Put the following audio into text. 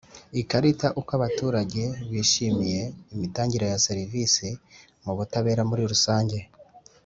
Ikarita uko abaturage bishimiye imitangire ya serivisi mu butabera muri rusange